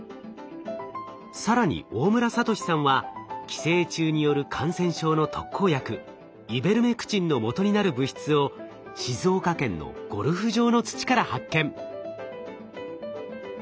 更に大村智さんは寄生虫による感染症の特効薬イベルメクチンのもとになる物質を静岡県のゴルフ場の土から発見。